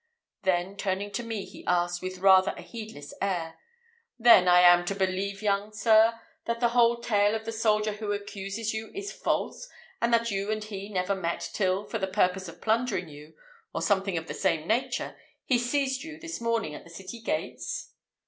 then, turning to me, he asked, with rather a heedless air, "Then I am to believe, young sir, that the whole tale of the soldier who accuses you is false, and that you and he never met till, for the purpose of plundering you, or something of the same nature, he seized you this morning at the city gates?"